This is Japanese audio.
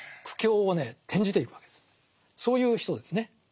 そういう人ですね。